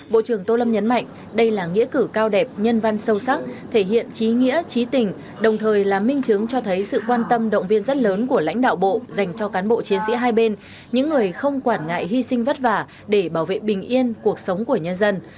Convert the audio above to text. bộ trưởng tô lâm nhấn mạnh đây là nghĩa cử cao đẹp nhân văn sâu sắc thể hiện trí nghĩa trí tình đồng thời là minh chứng cho thấy sự quan tâm động viên rất lớn của lãnh đạo bộ dành cho cán bộ chiến sĩ hai bên những người không quản ngại hy sinh vất vả để bảo vệ bình yên cuộc sống của nhân dân